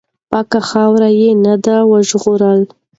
پاکه خاوره یې نه ده وژغورلې.